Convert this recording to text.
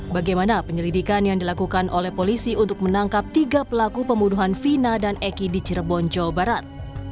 bagaimana penyelidikan yang dilakukan oleh polisi untuk menangkap tiga pelaku pembunuhan vina dan eki di cirebon jawa barat